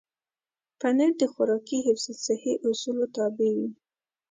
پنېر د خوراکي حفظ الصحې اصولو تابع وي.